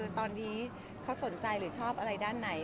ตอนนี้เขาสนใจหรือชอบอะไรด้านไหน